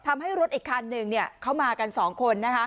ทำให้รถอีกคันนึงเนี่ยเข้ามากันสองคนนะฮะ